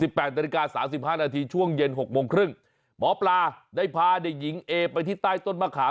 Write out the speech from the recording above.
แปดนาฬิกาสามสิบห้านาทีช่วงเย็นหกโมงครึ่งหมอปลาได้พาเด็กหญิงเอไปที่ใต้ต้นมะขาม